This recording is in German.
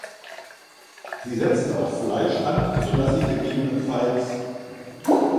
Sie setzen auch Fleisch an, sodass sie ggf.